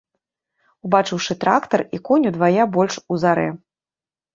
Убачыўшы трактар, і конь удвая больш узарэ.